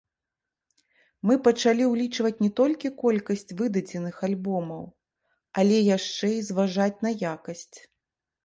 Мы пачалі ўлічваць не толькі колькасць выдадзеных альбомаў, але яшчэ і зважаць на якасць.